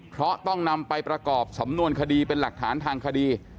เพราะต้องนำไปประกอบสำนวนคดีเป็นหลักฐานทางคดี